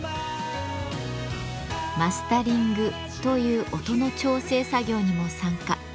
「マスタリング」という音の調整作業にも参加。